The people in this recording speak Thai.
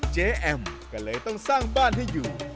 แอมก็เลยต้องสร้างบ้านให้อยู่